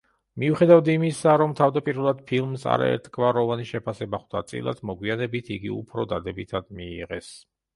მიუხედავად იმისა, რომ თავდაპირველად ფილმს არაერთგვაროვანი შეფასება ხვდა წილად, მოგვიანებით იგი უფრო დადებითად მიიღეს.